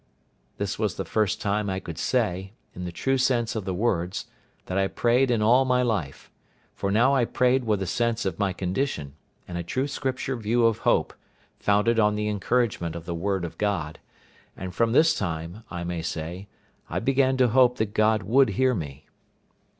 This was the first time I could say, in the true sense of the words, that I prayed in all my life; for now I prayed with a sense of my condition, and a true Scripture view of hope, founded on the encouragement of the Word of God; and from this time, I may say, I began to hope that God would hear me.